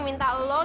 jadi aku datang